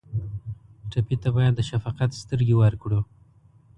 ټپي ته باید د شفقت سترګې ورکړو.